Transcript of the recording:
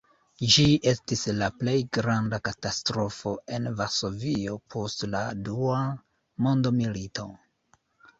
Ĝi estis la plej granda katastrofo en Varsovio post la dua mondmilito.